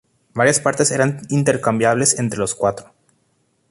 Varias partes eran intercambiables entre los cuatro.